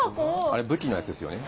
あれ武器のやつですよね。